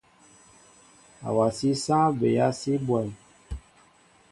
Awasí sááŋ bɛa si bwéém.